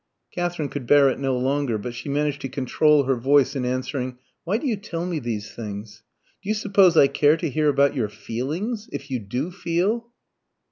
Katherine could bear it no longer, but she managed to control her voice in answering. "Why do you tell me these things? Do you suppose I care to hear about your 'feelings'? if you do feel."